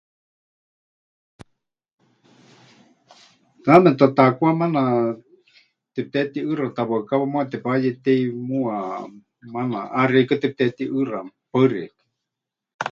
Taame tataakwá maana tepɨtehetiʼɨɨxa, tawaɨkawa muuwa tepayetei muuwa, maana ʼaxeikɨ́a tepɨtehetiʼɨɨxa. Paɨ xeikɨ́a.